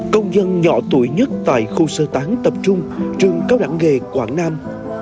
công dân nhỏ tuổi nhất tại khu sơ tán tập trung trường cao đẳng nghề quảng nam